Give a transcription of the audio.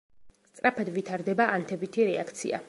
სწრაფად ვითარდება ანთებითი რეაქცია.